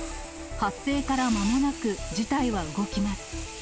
発生からまもなく事態は動きます。